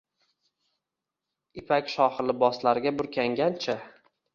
Ipak-shohi liboslarga burkangancha